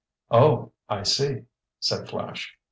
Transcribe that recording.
"Oh, I see," said Flash.